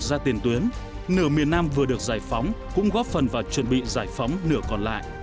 ra tiền tuyến nửa miền nam vừa được giải phóng cũng góp phần vào chuẩn bị giải phóng nửa còn lại